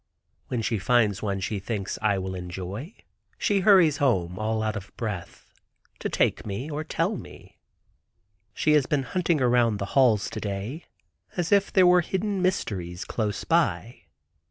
When she finds one she thinks I will enjoy, she hurries home all out of breath to take me or tell me. She has been hunting around the halls to day, as if there were hidden mysteries close by.